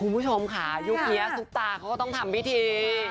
ผู้ชมค่ะยุ่งเคียงสุขตาเขาก็ต้องทำวิธี